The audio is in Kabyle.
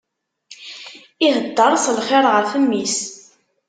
Ihedder s lxir ɣef mmi-s.